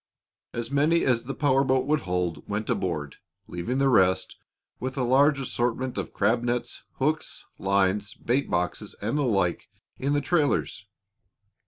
As many as the power boat would hold went aboard, leaving the rest, with a large assortment of crab nets, hooks, lines, bait boxes, and the like, in the trailers.